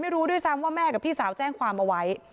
ด้วยซ้ำว่าแม่กับพี่สาวแจ้งความเอาไว้